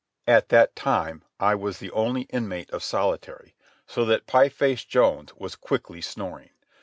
At that time I was the only inmate of solitary, so that Pie Face Jones was quickly snoring.